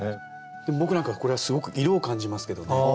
でも僕なんかはこれはすごく色を感じますけどね。